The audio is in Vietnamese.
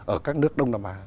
ở các nước đông nam á